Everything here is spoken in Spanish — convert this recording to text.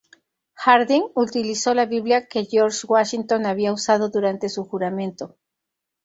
Harding utilizó la Biblia que George Washington había usado durante su juramento.